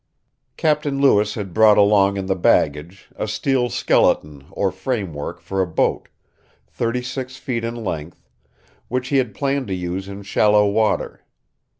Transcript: Captain Lewis had brought along in the baggage a steel skeleton or framework for a boat, thirty six feet in length, which he had planned to use in shallow water.